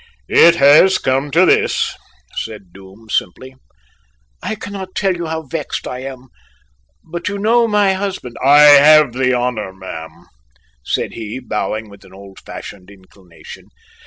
"It has come to this," said Doom simply. "I cannot tell you how vexed I am. But you know my husband " "I have the honour, ma'am," said he, bowing with an old fashioned inclination.